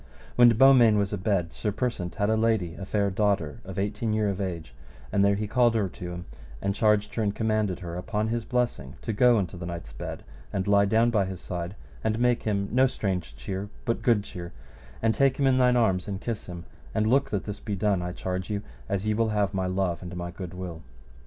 When Beaumains was abed, Sir Persant had a lady, a fair daughter of eighteen year of age, and there he called her unto him, and charged her and commanded her upon his blessing to go unto the knight's bed, and lie down by his side, and make him no strange cheer, but good cheer, and take him in thine arms and kiss him, and look that this be done, I charge you, as ye will have my love and my good will.